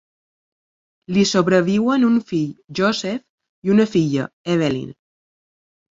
Li sobreviuen un fill, Joseph, i una filla, Evelyn.